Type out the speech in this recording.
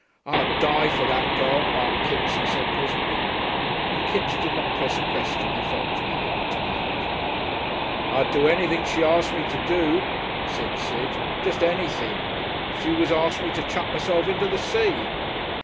"I'd die for that girl, Art Kipps," he said presently, and Kipps did not press a question he felt to be ill timed. "I'd do anything she asked me to do," said Sid "just anything. If she was to ask me to chuck myself into the sea."